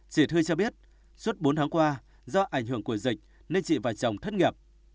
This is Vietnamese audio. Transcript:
chị thuê cho biết suốt bốn tháng qua do ảnh hưởng của dịch nên chị và chồng thất nghiệp